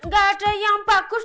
gak ada yang bagus